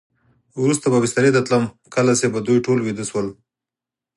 وروسته به بسترې ته تلم، کله چې به دوی ټول ویده شول.